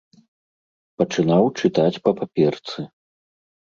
Пачынаў чытаць па паперцы.